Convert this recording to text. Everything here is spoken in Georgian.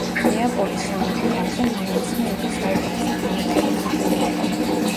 ნეაპოლის სამეფო კარზე, მამამისმა იგი საუკეთესო განათლებით უზრუნველყო.